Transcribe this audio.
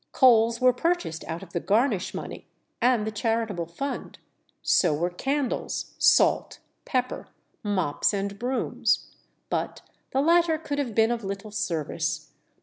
Coals were purchased out of the garnish money and the charitable fund; so were candles, salt, pepper, mops and brooms. But the latter could have been of little service.